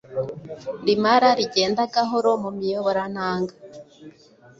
rimara rigenda gahoro mu miyoborantanga